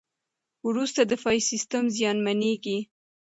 وروسته دفاعي سیستم زیانمنېږي.